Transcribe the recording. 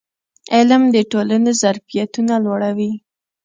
علم د ټولنې ظرفیتونه لوړوي.